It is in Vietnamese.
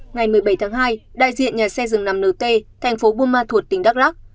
ngày một mươi bảy tháng hai đại diện nhà xe dừng nằm nở t thành phố buma thuộc tỉnh đắk lắc